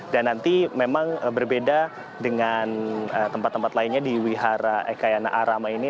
dan nanti memang berbeda dengan tempat tempat lainnya di pihara ekayana arama ini